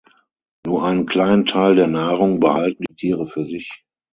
Nur einen kleinen Teil der Nahrung behalten die Tiere für sich.